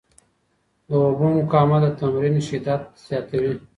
د اوبو مقاومت د تمرین شدت زیاتوي.